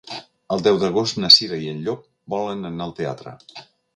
El deu d'agost na Cira i en Llop volen anar al teatre.